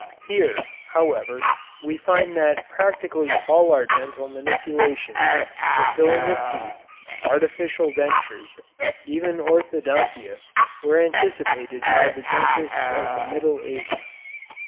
Here, however, we find that practically all our dental manipulations, the filling of teeth, artificial dentures, even orthodontia, were anticipated by the dentists of the Middle Ages.